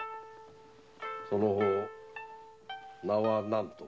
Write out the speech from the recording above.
その方名は何と申す？